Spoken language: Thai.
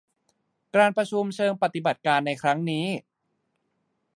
การประชุมเชิงปฏิบัติการในครั้งนี้